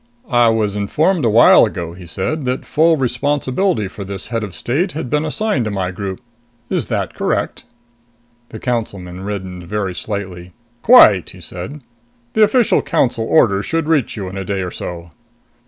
"I was informed a while ago," he said, "that full responsibility for this Head of State has been assigned to my group. Is that correct?" The Councilman reddened very slightly. "Quite," he said. "The official Council Order should reach you in a day or so."